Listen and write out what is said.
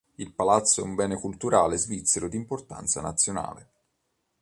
Il palazzo è un bene culturale svizzero d’importanza nazionale.